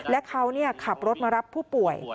และเขาขับรถมารับผู้ป่วย